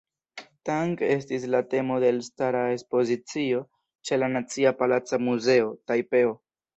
Tang estis la temo de elstara ekspozicio ĉe la Nacia Palaca Muzeo, Tajpeo.